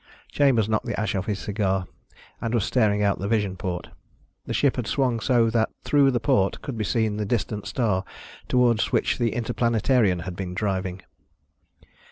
Chambers knocked the ash off his cigar and was staring out the vision port. The ship had swung so that through the port could be seen the distant star toward which the Interplanetarian had been driving.